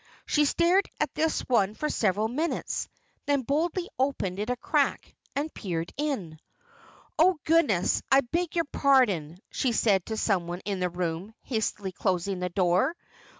She stared at this one for several minutes, then boldly opened it a crack and peered in. "Oh, Goodness! I beg your pardon," she said to someone in the room, hastily closing the door.